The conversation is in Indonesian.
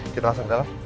kita masuk ke dalam